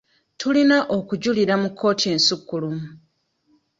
Tulina okujulira mu kkooti ensukkulumu.